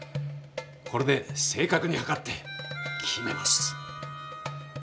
これで正確に測って決めます。